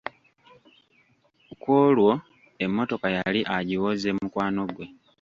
Ku olwo emmotoka yali agiwoze mukwano gwe.